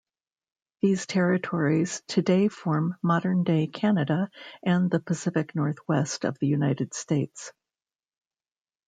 These territories today form modern-day Canada and the Pacific Northwest of the United States.